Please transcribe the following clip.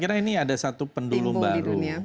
saya kira ini ada satu pendulum baru